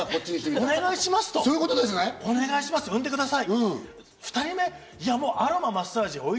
お願いします、産んでください。